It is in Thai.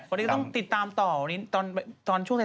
ไฟหน้าอยอย่าเอาเข้า